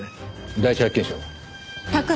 第一発見者は？